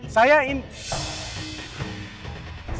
emangnya anda siapa